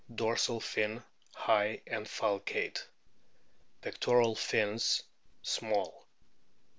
Dorsal fin high and falcate ; pectoral fins small.